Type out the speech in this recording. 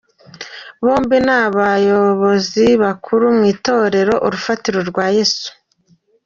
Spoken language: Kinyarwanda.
Bombi ni abayobozi bakuru mu itorero Urufatiro rwa Yesu.